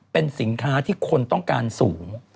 เป็นสินค้าที่คนต้องการสูง